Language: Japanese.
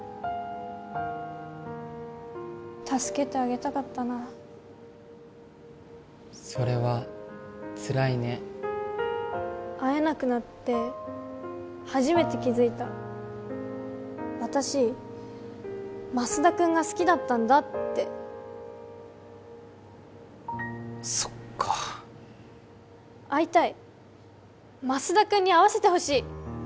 助けてあげたかったなそれはつらいね会えなくなって初めて気づいた私増田君が好きだったんだってそっか会いたい増田君に会わせてほしい！